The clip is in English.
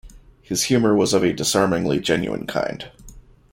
His humor was of a disarmingly genuine kind.